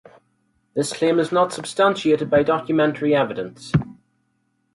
This claim is not substantiated by documentary evidence.